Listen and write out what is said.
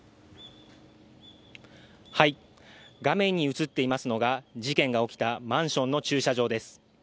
画面に映っていますのが、事件が起きたマンションの駐車場です。